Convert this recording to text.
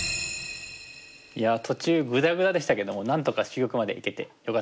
途中ぐだぐだでしたけども何とか終局までいけてよかったです。